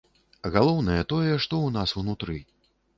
Галоўнае тое, што ў нас унутры.